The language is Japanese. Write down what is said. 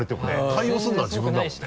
対応するのは自分だもんね。